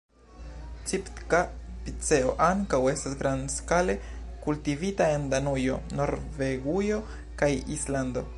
Sitka-piceo ankaŭ estas grandskale kultivita en Danujo, Norvegujo kaj Islando.